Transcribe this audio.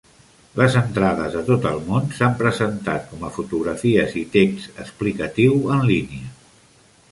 Les entrades de tot el món s'han presentat com a fotografies i text explicatiu en línia.